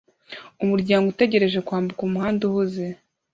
Umuryango utegereje kwambuka umuhanda uhuze